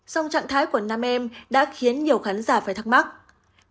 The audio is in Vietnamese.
song trạng thái của nam em đã khiến nhiều khán giả phải thắc mắc